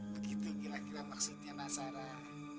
begitu kira kira maksudnya mas sarah